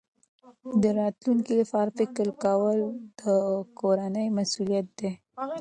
د راتلونکي لپاره فکر کول د کورنۍ مسؤلیت دی.